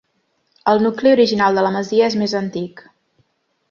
El nucli original de la masia és més antic.